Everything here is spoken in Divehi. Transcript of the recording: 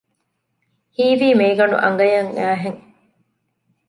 ހީވީ މޭގަނޑު އަނގަޔަށް އައިހެން